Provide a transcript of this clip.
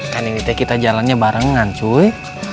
kan ini kita jalannya barengan cuy